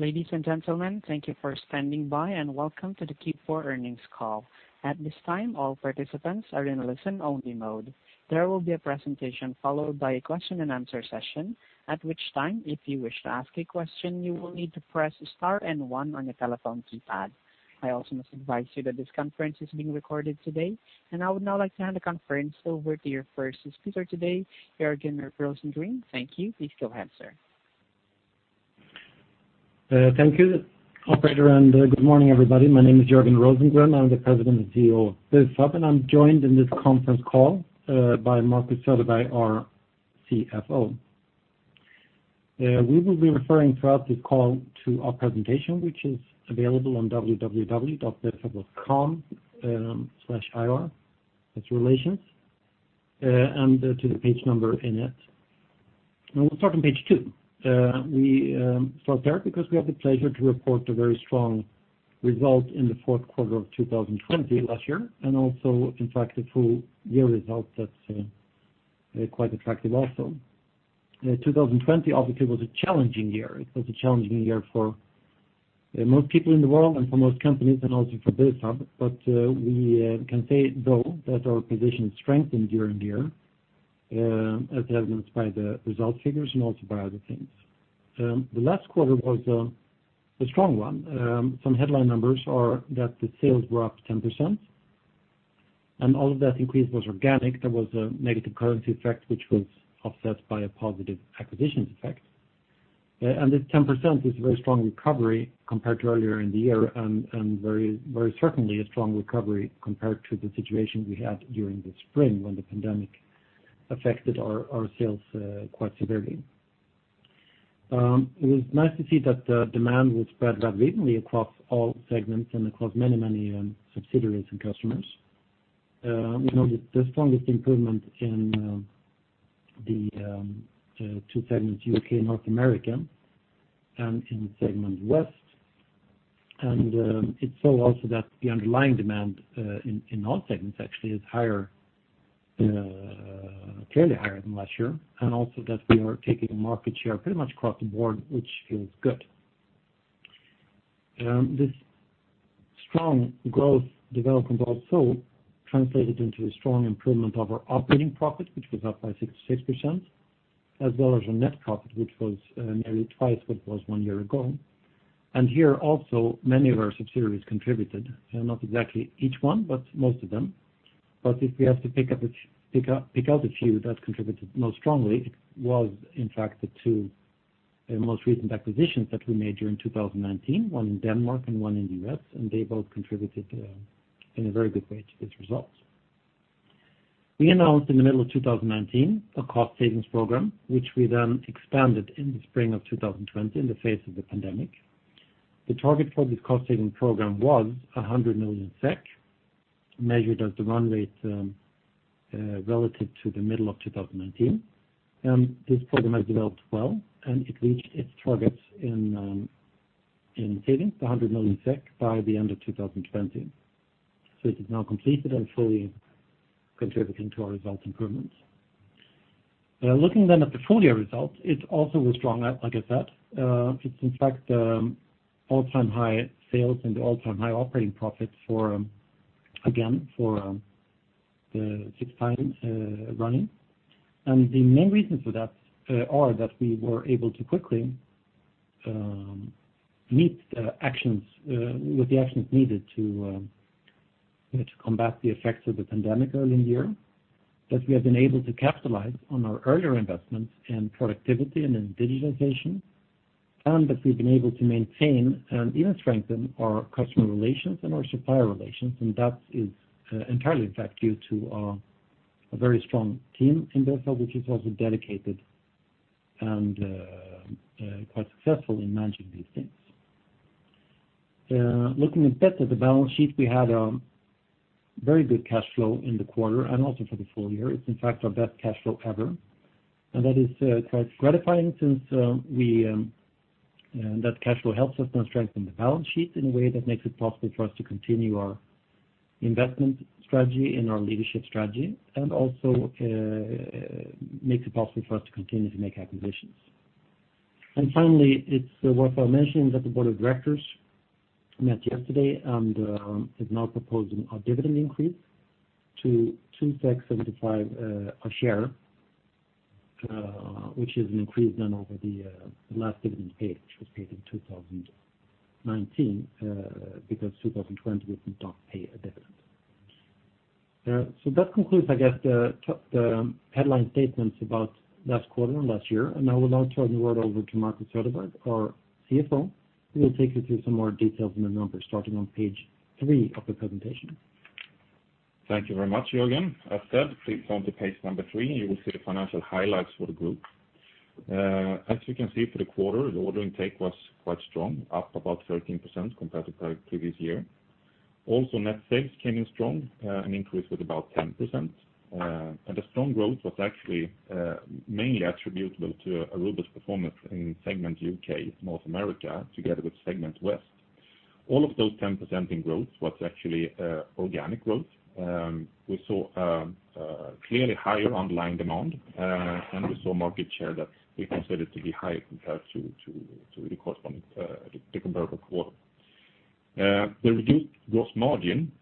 Ladies and gentlemen, thank you for standing by and welcome to the Q4 earnings call. At this time, all participants are in listen-only mode. There will be a presentation followed by a question-and-answer session, at which time, if you wish to ask a question, you will need to press star and one on your telephone keypad. I also must advise you that this conference is being recorded today, and I would now like to hand the conference over to your first speaker today, Jörgen Rosengren. Thank you. Please go ahead, sir. Thank you, Operator, and good morning, everybody. My name is Jörgen Rosengren. I'm the President and CEO of Bufab, and I'm joined in this conference call by Marcus Söderberg, our CFO. We will be referring throughout this call to our presentation, which is available on www.bufab.com slash IR, that's relations, and to the page number in it, and we'll start on page two. We start there because we have the pleasure to report a very strong result in the fourth quarter of 2020 last year, and also, in fact, the full year result. That's quite attractive also. 2020 obviously was a challenging year. It was a challenging year for most people in the world and for most companies, and also for Bufab, but we can say, though, that our position strengthened year on year, as evidenced by the result figures and also by other things. The last quarter was a strong one. Some headline numbers are that the sales were up 10%, and all of that increase was organic. There was a negative currency effect, which was offset by a positive acquisitions effect, and this 10% is a very strong recovery compared to earlier in the year and very certainly a strong recovery compared to the situation we had during the spring when the pandemic affected our sales quite severely. It was nice to see that the demand was spread rapidly across all segments and across many, many subsidiaries and customers. We noticed the strongest improvement in the two segments, U.K. and North America, and in Segment West, and it's so also that the underlying demand in all segments, actually, is higher, clearly higher than last year, and also that we are taking market share pretty much across the board, which feels good. This strong growth development also translated into a strong improvement of our operating profit, which was up by 66%, as well as our net profit, which was nearly twice what it was one year ago. And here also, many of our subsidiaries contributed, not exactly each one, but most of them. But if we have to pick out a few that contributed most strongly, it was, in fact, the two most recent acquisitions that we made during 2019, one in Denmark and one in the U.S., and they both contributed in a very good way to this result. We announced in the middle of 2019 a cost savings program, which we then expanded in the spring of 2020 in the face of the pandemic. The target for this cost saving program was 100 million SEK, measured as the run rate relative to the middle of 2019. This program has developed well, and it reached its targets in savings, 100 million, by the end of 2020. It is now completed and fully contributing to our result improvements. Looking then at the full year result, it also was strong, like I said. It's, in fact, all-time high sales and all-time high operating profits, again, for the sixth time running. The main reasons for that are that we were able to quickly meet the actions with the actions needed to combat the effects of the pandemic early in the year, that we have been able to capitalize on our earlier investments in productivity and in digitization, and that we've been able to maintain and even strengthen our customer relations and our supplier relations. And that is entirely, in fact, due to a very strong team in Bufab, which is also dedicated and quite successful in managing these things. Looking a bit at the balance sheet, we had a very good cash flow in the quarter and also for the full year. It's, in fact, our best cash flow ever. And that is quite gratifying since that cash flow helps us then strengthen the balance sheet in a way that makes it possible for us to continue our investment strategy and our leadership strategy and also makes it possible for us to continue to make acquisitions. And finally, it's worth mentioning that the board of directors met yesterday and is now proposing a dividend increase to 2.75 a share, which is an increase done over the year last dividend paid, which was paid in 2019 because 2020 did not pay a dividend. So that concludes, I guess, the headline statements about last quarter and last year. And I will now turn the word over to Marcus Söderberg, our CFO, who will take you through some more details and the numbers starting on page three of the presentation. Thank you very much, Jörgen. As said, please go on to page number three, and you will see the financial highlights for the group. As you can see, for the quarter, the order intake was quite strong, up about 13% compared to the previous year. Also, net sales came in strong, an increase of about 10%, and the strong growth was actually mainly attributable to Bufab's performance in Segment U.K./North America, together with Segment West. All of those 10% in growth was actually organic growth. We saw a clearly higher underlying demand, and we saw market share that we considered to be higher compared to the comparable quarter. The reduced gross margin,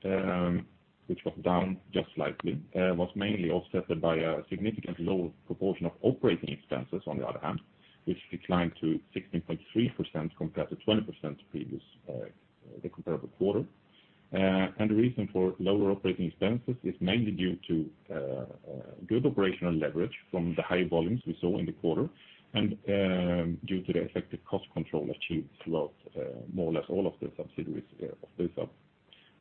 which was down just slightly, was mainly offset by a significantly lower proportion of operating expenses, on the other hand, which declined to 16.3% compared to 20% in the previous comparable quarter. The reason for lower operating expenses is mainly due to good operational leverage from the high volumes we saw in the quarter and due to the effective cost control achieved throughout more or less all of the subsidiaries of Bufab.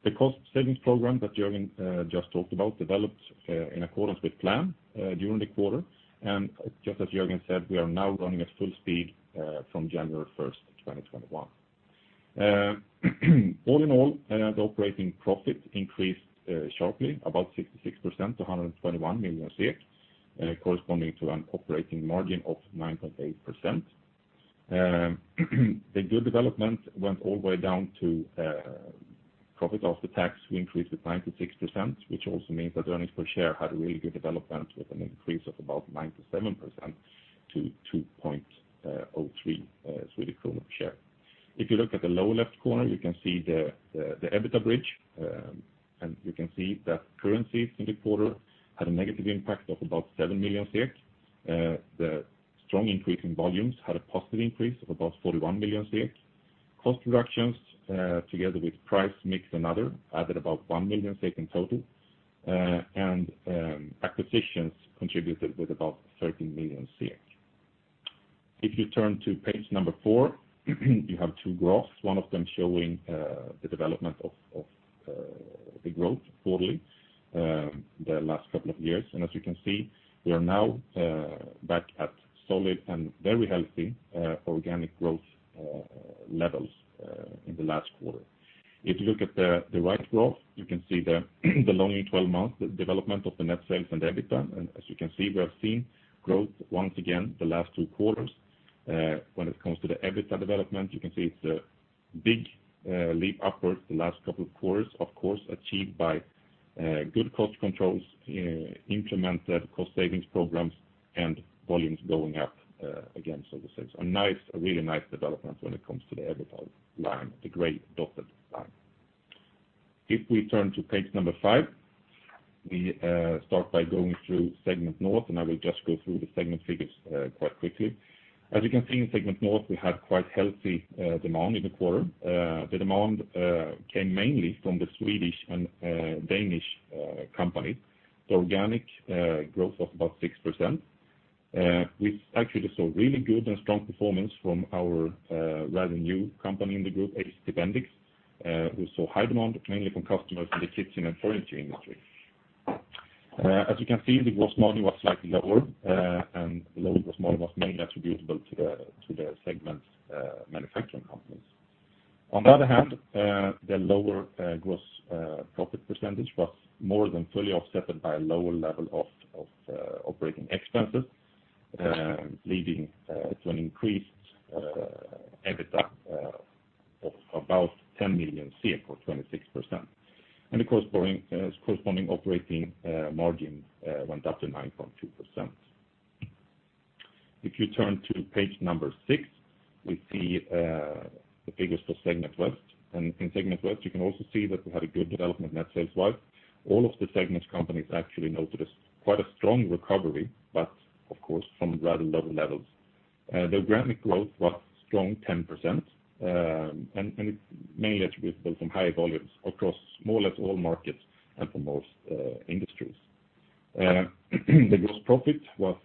The cost savings program that Jörgen just talked about developed in accordance with plan during the quarter. Just as Jörgen said, we are now running at full speed from January 1st, 2021. All in all, the operating profit increased sharply, about 66% to 121 million, corresponding to an operating margin of 9.8%. The good development went all the way down to profit after tax. We increased with 96%, which also means that earnings per share had a really good development with an increase of about 97% to 2.03 Swedish kronor per share. If you look at the lower left corner, you can see the EBITDA bridge, and you can see that currencies in the quarter had a negative impact of about 7 million SEK. The strong increase in volumes had a positive increase of about 41 million SEK. Cost reductions, together with price mix and other, added about 1 million SEK in total, and acquisitions contributed with about 13 million SEK. If you turn to page number four, you have two graphs, one of them showing the development of the growth quarterly the last couple of years. And as you can see, we are now back at solid and very healthy organic growth levels in the last quarter. If you look at the right graph, you can see the rolling 12 months, the development of the net sales and EBITDA. As you can see, we have seen growth once again the last two quarters. When it comes to the EBITDA development, you can see it's a big leap upwards the last couple of quarters, of course, achieved by good cost controls, implemented cost savings programs, and volumes going up again, so to say. A really nice development when it comes to the EBITDA line, the gray dotted line. If we turn to page number five, we start by going through Segment North, and I will just go through the segment figures quite quickly. As you can see, in Segment North, we had quite healthy demand in the quarter. The demand came mainly from the Swedish and Danish companies. The organic growth was about 6%. We actually saw really good and strong performance from our rather new company in the group, HT Bendix, who saw high demand, mainly from customers in the kitchen and furniture industry. As you can see, the gross margin was slightly lower, and the lower gross margin was mainly attributable to the segment manufacturing companies. On the other hand, the lower gross profit percentage was more than fully offset by a lower level of operating expenses, leading to an increased EBITDA of about 10 million, or 26%. And the corresponding operating margin went up to 9.2%. If you turn to page number six, we see the figures for Segment West. And in Segment West, you can also see that we had a good development net sales-wise. All of the segment companies actually noticed quite a strong recovery, but of course, from rather low levels. The organic growth was strong, 10%, and it's mainly attributable to high volumes across more or less all markets and for most industries. The gross profit was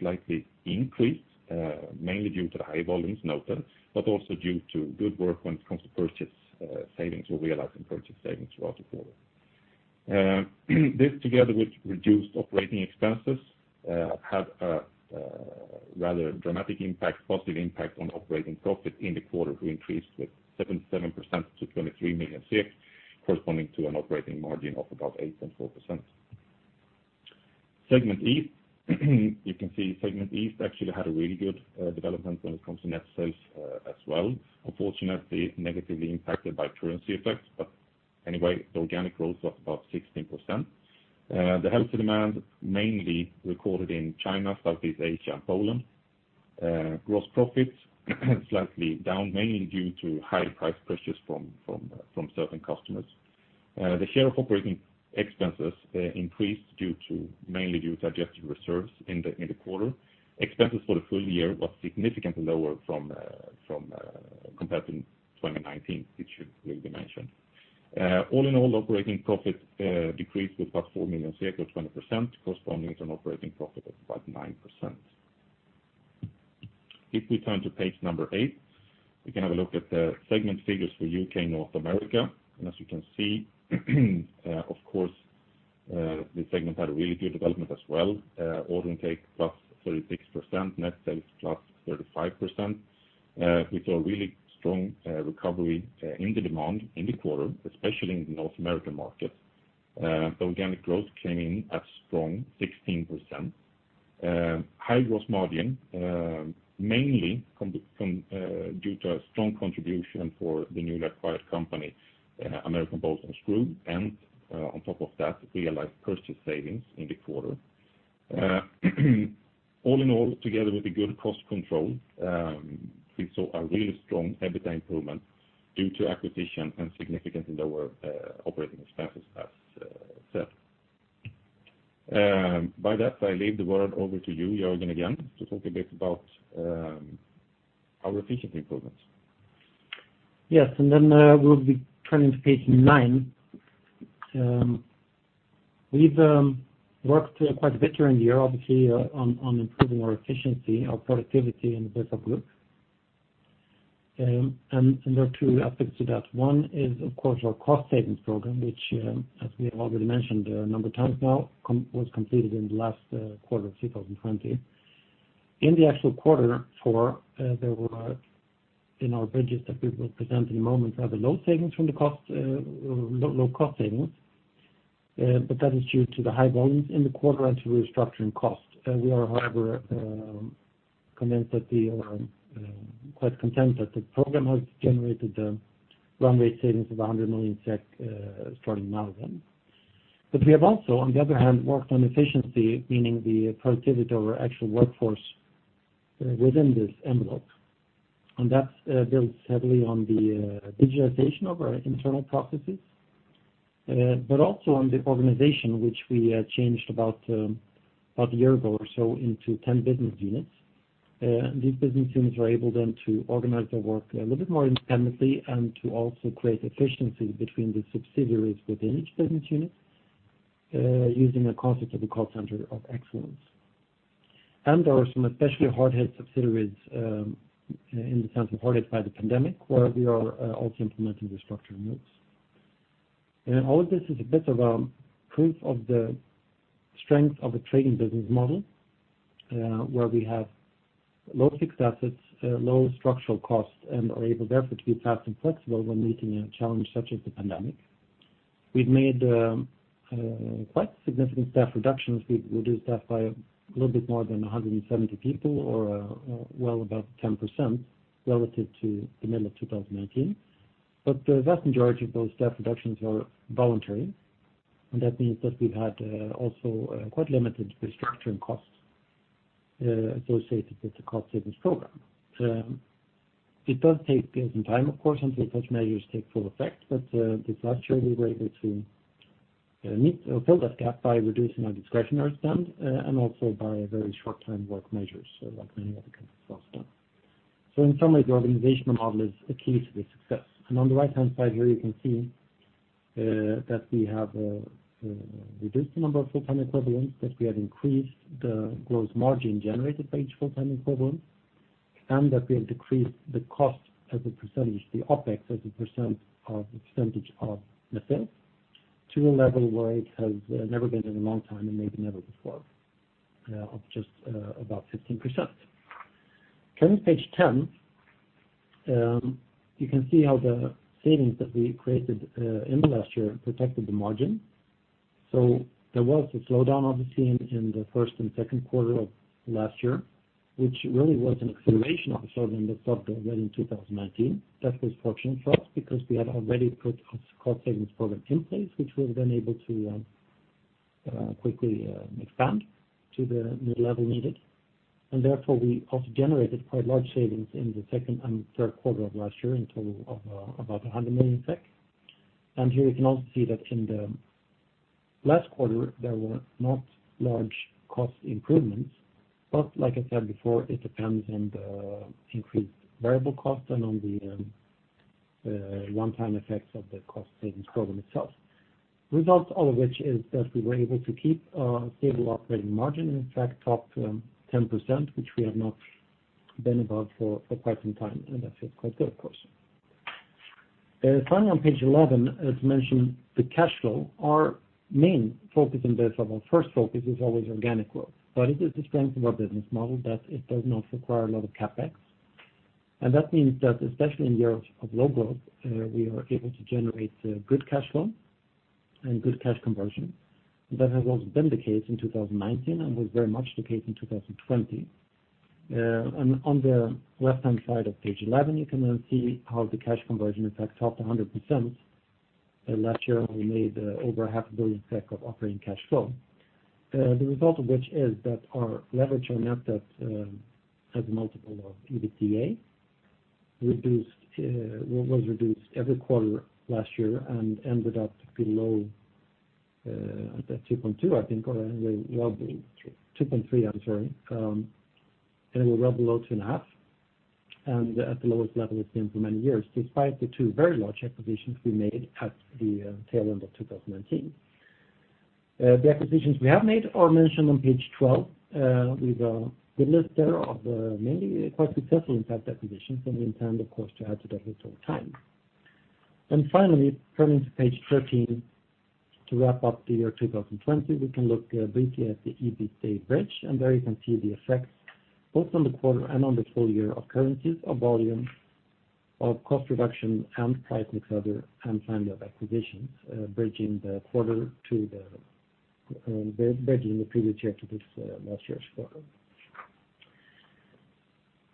slightly increased, mainly due to the high volumes noted, but also due to good work when it comes to purchase savings or realizing purchase savings throughout the quarter. This, together with reduced operating expenses, had a rather dramatic impact, positive impact on operating profit in the quarter, who increased with 77% to 23 million, corresponding to an operating margin of about 8.4%. Segment East, you can see Segment East actually had a really good development when it comes to net sales as well. Unfortunately, negatively impacted by currency effects, but anyway, the organic growth was about 16%. The healthy demand mainly recorded in China, Southeast Asia, and Poland. Gross profits slightly down, mainly due to high price pressures from certain customers. The share of operating expenses increased mainly due to adjusted reserves in the quarter. Expenses for the full year were significantly lower compared to 2019, which should really be mentioned. All in all, operating profit decreased with about 4 million, or 20%, corresponding to an operating profit of about 9%. If we turn to page number eight, we can have a look at the segment figures for U.K. and North America. And as you can see, of course, the segment had a really good development as well. Order intake +36%, net sales +35%. We saw a really strong recovery in the demand in the quarter, especially in the North American market. The organic growth came in as strong, 16%. High gross margin, mainly due to a strong contribution from the newly acquired company, American Bolt & Screw, and on top of that, realized purchase savings in the quarter. All in all, together with the good cost control, we saw a really strong EBITDA improvement due to acquisition and significantly lower operating expenses, as said. With that, I leave the word over to you, Jörgen, again, to talk a bit about our efficiency improvements. Yes. And then we'll be turning to page nine. We've worked quite a bit during the year, obviously, on improving our efficiency, our productivity in the Bufab Group. And there are two aspects to that. One is, of course, our cost savings program, which, as we have already mentioned a number of times now, was completed in the last quarter of 2020. In the actual quarter four, there were in our bridges that we will present in a moment, rather low savings from the cost, low cost savings. But that is due to the high volumes in the quarter and to restructuring costs. We are, however, convinced that we are quite content that the program has generated the run rate savings of 100 million SEK starting now then. But we have also, on the other hand, worked on efficiency, meaning the productivity of our actual workforce within this envelope. And that builds heavily on the digitization of our internal processes, but also on the organization, which we changed about a year ago or so into 10 business units. These business units were able then to organize their work a little bit more independently and to also create efficiencies between the subsidiaries within each business unit using a concept of a Call Center of Excellence. And there are some especially hard-hit subsidiaries in the sense of hard hit by the pandemic, where we are also implementing restructuring moves. And all of this is a bit of a proof of the strength of a trading business model, where we have low fixed assets, low structural costs, and are able, therefore, to be fast and flexible when meeting a challenge such as the pandemic. We've made quite significant staff reductions. We've reduced staff by a little bit more than 170 people, or well above 10%, relative to the middle of 2019, but the vast majority of those staff reductions were voluntary, and that means that we've had also quite limited restructuring costs associated with the cost savings program. It does take some time, of course, until such measures take full effect, but this last year, we were able to meet or fill that gap by reducing our discretionary spend and also by very short-term work measures, like many other companies have done, so in summary, the organizational model is a key to the success. And on the right-hand side here, you can see that we have reduced the number of full-time equivalents, that we have increased the gross margin generated by each full-time equivalent, and that we have decreased the cost as a percentage, the OpEx as a percentage of the sales, to a level where it has never been in a long time and maybe never before, of just about 15%. Turning to page 10, you can see how the savings that we created in the last year protected the margin. So there was a slow down, obviously, in the first and second quarter of last year, which really was an acceleration of the slow down that stopped already in 2019. That was fortunate for us because we had already put a cost savings program in place, which we were then able to quickly expand to the new level needed. Therefore, we also generated quite large savings in the second and third quarter of last year in total of about 100 million SEK. Here you can also see that in the last quarter, there were not large cost improvements, but like I said before, it depends on the increased variable cost and on the one-time effects of the cost savings program itself. The result, all of which, is that we were able to keep a stable operating margin and, in fact, top 10%, which we have not been above for quite some time. That feels quite good, of course. Finally, on page 11, as mentioned, the cash flow, our main focus in Bufab, our first focus, is always organic growth. It is the strength of our business model that it does not require a lot of CapEx. And that means that, especially in years of low growth, we are able to generate good cash flow and good cash conversion. That has also been the case in 2019 and was very much the case in 2020. And on the left-hand side of page 11, you can then see how the cash conversion, in fact, topped 100%. Last year, we made over 500 million SEK of operating cash flow. The result of which is that our leverage on net debt has a multiple of EBITDA, was reduced every quarter last year and ended up below 2.2%, I think, or well below 2.3%, I'm sorry. And it was well below 2.5%. And at the lowest level it's been for many years, despite the two very large acquisitions we made at the tail end of 2019. The acquisitions we have made are mentioned on page 12 with a good list there of mainly quite successful, in fact, acquisitions, and we intend, of course, to add to that over time. Finally, turning to page 13 to wrap up the year 2020, we can look briefly at the EBITDA bridge. There you can see the effects, both on the quarter and on the full year, of currencies, of volume, of cost reduction and price/mix, other, and finally, of acquisitions, bridging the quarter to the previous year to this last year's quarter.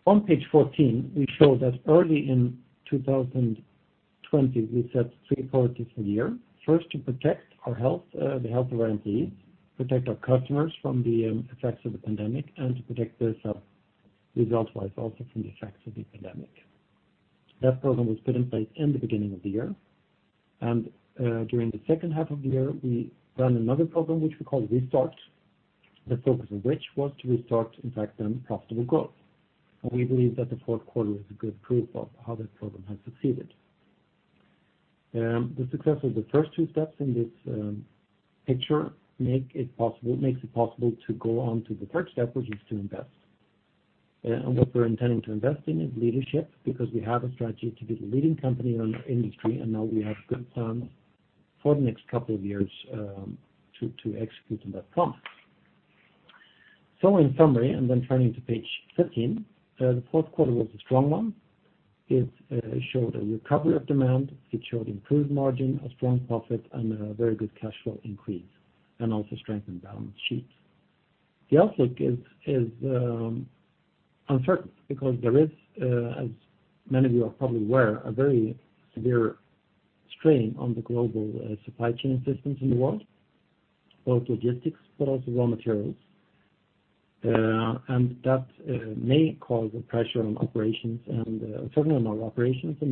On page 14, we show that early in 2020, we set three priorities for the year. First, to protect the health of our employees, protect our customers from the effects of the pandemic, and to protect the subresult-wise also from the effects of the pandemic. That program was put in place in the beginning of the year. And during the second half of the year, we ran another program, which we called Restart, the focus of which was to restart, in fact, profitable growth. And we believe that the fourth quarter is a good proof of how that program has succeeded. The success of the first two steps in this picture makes it possible to go on to the third step, which is to invest. And what we're intending to invest in is leadership because we have a strategy to be the leading company in our industry, and now we have good plans for the next couple of years to execute on that promise. So in summary, and then turning to page 15, the fourth quarter was a strong one. It showed a recovery of demand. It showed improved margin, a strong profit, and a very good cash flow increase, and also strengthened balance sheet. The outlook is uncertain because there is, as many of you are probably aware, a very severe strain on the global supply chain systems in the world, both logistics but also raw materials, and that may cause pressure on operations and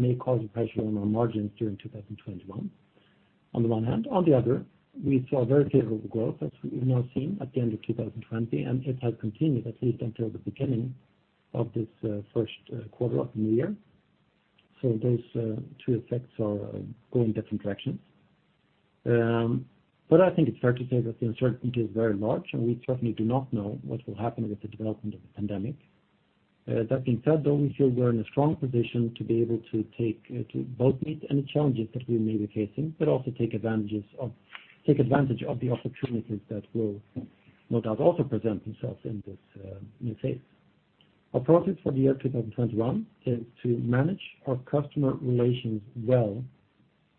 may cause pressure on our margins during 2021, on the one hand. On the other, we saw very favorable growth, as we've now seen, at the end of 2020, and it has continued, at least until the beginning of this first quarter of the new year, so those two effects are going different directions, but I think it's fair to say that the uncertainty is very large, and we certainly do not know what will happen with the development of the pandemic. That being said, though, we feel we're in a strong position to be able to both meet any challenges that we may be facing, but also take advantage of the opportunities that will no doubt also present themselves in this new phase. Our priorities for the year 2021 is to manage our customer relations well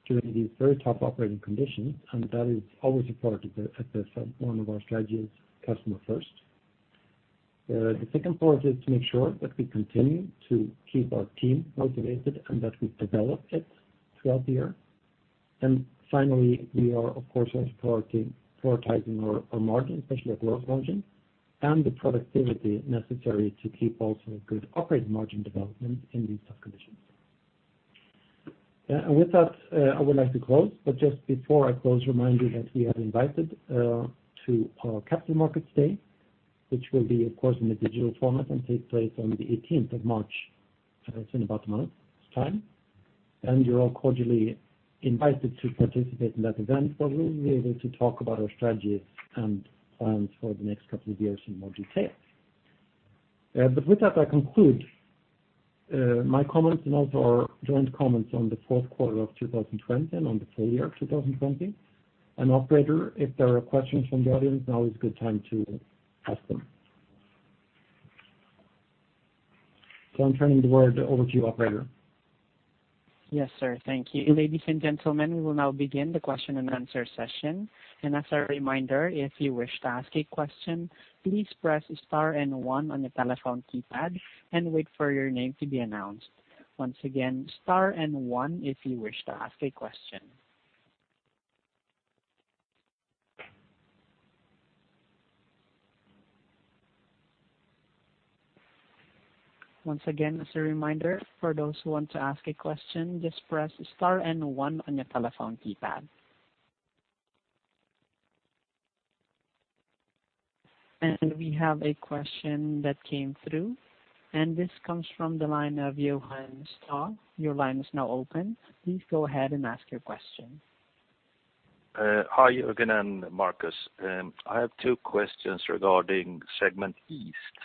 during these very tough operating conditions, and that is always a priority at Bufab. One of our strategies is customer-first. The second priority is to make sure that we continue to keep our team motivated and that we develop it throughout the year, and finally, we are, of course, also prioritizing our margin, especially our gross margin, and the productivity necessary to keep also good operating margin development in these tough conditions, and with that, I would like to close. But just before I close, remind you that we have invited to our Capital Markets Day, which will be, of course, in the digital format and take place on the 18th of March. It's in about a month's time. And you're all cordially invited to participate in that event, where we will be able to talk about our strategies and plans for the next couple of years in more detail. But with that, I conclude my comments and also our joint comments on the fourth quarter of 2020 and on the full year of 2020. And Operator, if there are questions from the audience, now is a good time to ask them. So I'm turning the word over to you, Operator. Yes, sir. Thank you. Ladies and gentlemen, we will now begin the question-and-answer session, and as a reminder, if you wiss to ask a question, please press star and one on the telephone keypad and wait for your name to be announced. Once again, star and one if you wish to ask a question. Once again, as a reminder, for those who want to ask a question, just press star and one on your telephone keypad, and we have a question that came through, and this comes from the line of Johan Ståhl. Your line is now open. Please go ahead and ask your question. Hi, Jörgen and Marcus. I have two questions regarding Segment East,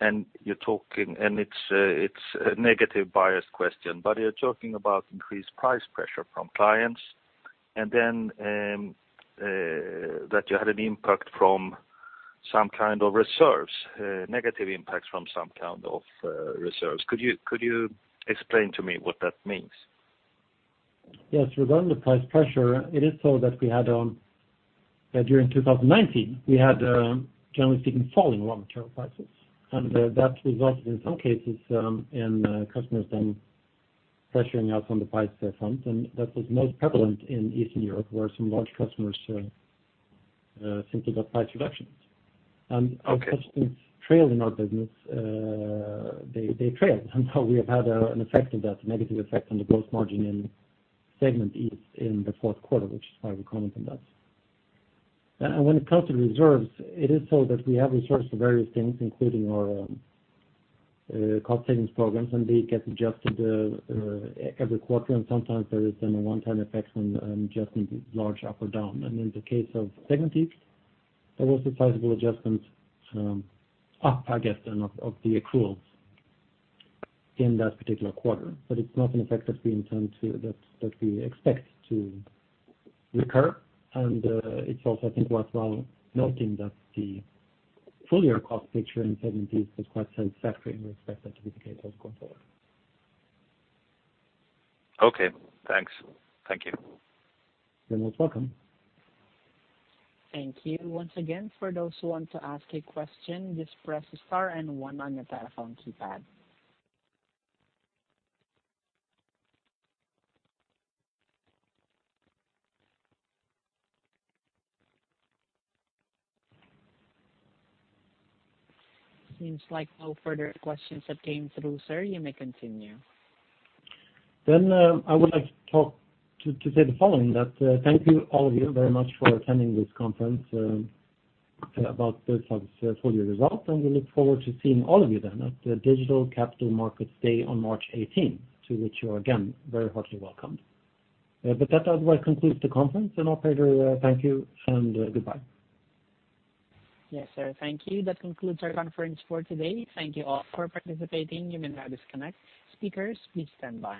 and it's a negative bias question, but you're talking about increased price pressure from clients and then that you had an impact from some kind of reserves, negative impacts from some kind of reserves. Could you explain to me what that means? Yes. Regarding the price pressure, it is so that we had during 2019, we had, generally speaking, falling raw material prices. And that resulted, in some cases, in customers then pressuring us on the price front. And that was most prevalent in Eastern Europe, where some large customers simply got price reductions. And our subsidiaries trailed in our business. They trailed. And so we have had an effect of that, a negative effect on the gross margin in Segment East in the fourth quarter, which is why we're commenting on that. And when it comes to reserves, it is so that we have reserves for various things, including our cost savings programs, and they get adjusted every quarter. And sometimes there is then a one-time effect on adjustment, large up or down. In the case of Segment East, there was a sizable adjustment up, I guess, of the accruals in that particular quarter. But it's not an effect that we expect to recur. It's also, I think, worthwhile noting that the full year cost picture in Segment East was quite satisfactory in respect of the case going forward. Okay. Thanks. Thank you. You're most welcome. Thank you once again. For those who want to ask a question, just press star and one on your telephone keypad. Seems like no further questions have came through, sir. You may continue. Then I would like to say the following, that thank you, all of you, very much for attending this conference about Bufab's full year result. And we look forward to seeing all of you then at the digital Capital Markets Day on March 18, to which you are, again, very heartily welcomed. But that, otherwise, concludes the conference. And Operator, thank you and goodbye. Yes, sir. Thank you. That concludes our conference for today. Thank you all for participating. You may now disconnect. Speakers, please stand by.